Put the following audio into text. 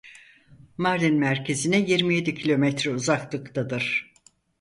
Mardin merkezine yirmi yedi kilometre uzaklıktadır.